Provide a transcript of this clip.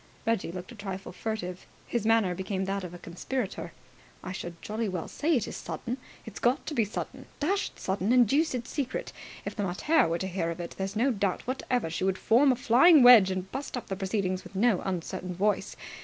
Reggie looked a trifle furtive. His manner became that of a conspirator. "I should jolly well say it is sudden! It's got to be sudden. Dashed sudden and deuced secret! If the mater were to hear of it, there's no doubt whatever she would form a flying wedge and bust up the proceedings with no uncertain voice.